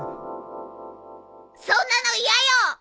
そんなの嫌よ！